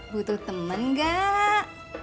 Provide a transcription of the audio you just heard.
butuh temen gak